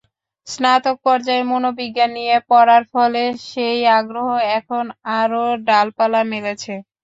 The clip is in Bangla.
স্নাতক পর্যায়ে মনোবিজ্ঞান নিয়ে পড়ার ফলে সেই আগ্রহ এখন আরও ডালপালা মেলেছে।